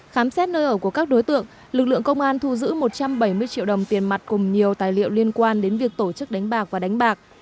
khám xét nơi ở của các đối tượng lực lượng công an thu giữ một trăm bảy mươi triệu đồng tiền mặt cùng nhiều tài liệu liên quan đến việc tổ chức đánh bạc và đánh bạc